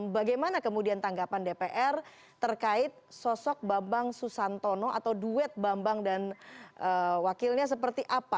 bagaimana kemudian tanggapan dpr terkait sosok bambang susantono atau duet bambang dan wakilnya seperti apa